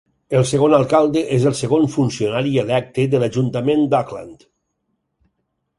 El segon alcalde és el segon funcionari electe de l'Ajuntament d'Auckland.